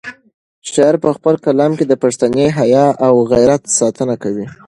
شاعر په خپل کلام کې د پښتني حیا او غیرت ساتنه کوي.